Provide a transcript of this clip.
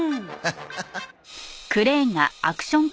ハッハハ。